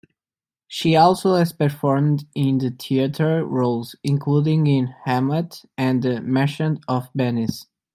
She also has performed in theatre roles, including in "Hamlet" and "Merchant of Venice".